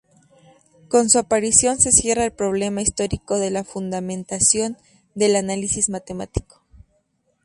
Con su aparición se cierra el problema histórico de la fundamentación del Análisis Matemático.